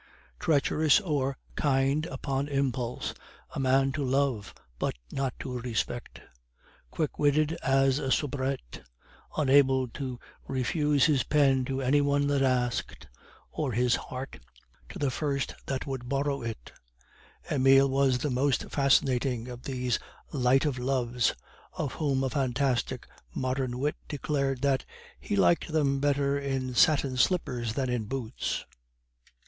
Treacherous or kind upon impulse, a man to love, but not to respect; quick witted as a soubrette, unable to refuse his pen to any one that asked, or his heart to the first that would borrow it, Emile was the most fascinating of those light of loves of whom a fantastic modern wit declared that "he liked them better in satin slippers than in boots."